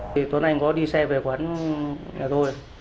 thì tuấn anh có đi xe về quán nhà tôi